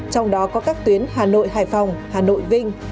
trong đó có các tuyến hà nội hải phòng hà nội vinh